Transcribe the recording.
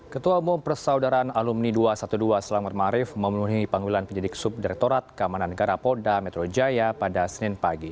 ketua umum persaudaraan alumni dua ratus dua belas selamat marif memenuhi panggilan penyidik subdirektorat keamanan negara polda metro jaya pada senin pagi